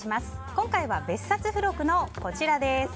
今回は別冊付録のこちらです。